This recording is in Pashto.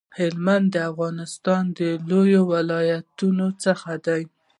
هلمند د افغانستان د لویو ولایتونو څخه دی